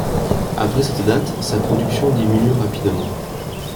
Après cette date, sa production diminue rapidement.